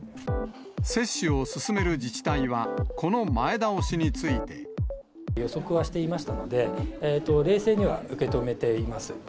接種を進める自治体は、この前倒しについて。予測はしていましたので、冷静には受け止めています。